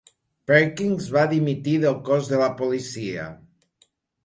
Perkins va dimitir del cos de la policia.